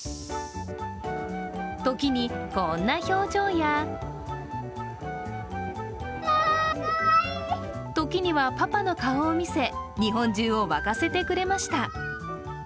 時に、こんな表情や時にはパパの顔を見せ日本中をわかせてくれました。